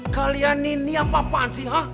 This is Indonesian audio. kalian ini apa apaan sih